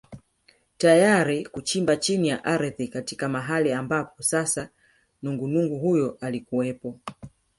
Tayari kuchimba chini ya ardhi katika mahali ambapo sasa nungunungu huyo alikuwepo